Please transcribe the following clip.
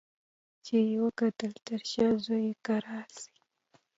چي یې وکتل تر شا زوی یې کرار ځي